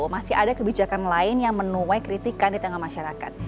masih ada kebijakan lain yang menuai kritikan di tengah masyarakat